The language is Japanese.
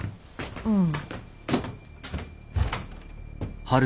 うん。